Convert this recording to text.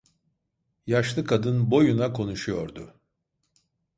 Yaşlı kadın boyuna konuşuyordu.